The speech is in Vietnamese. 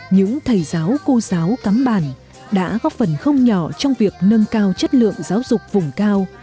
những thầy giáo cô giáo cắm bàn đã góp phần không nhỏ trong việc nâng cao chất lượng giáo dục vùng cao